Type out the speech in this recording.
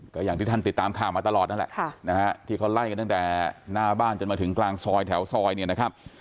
ก็อย่างที่ท่านติดตามข่าวมาตลอดนั่นแหละนะฮะที่เขาไล่กันตั้งแต่หน้าบ้านจนมาถึงกลางซอยแถวซอยเนี่ยนะครับ